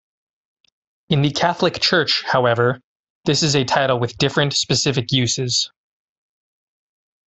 In the Catholic Church, however, this is a title with different specific uses.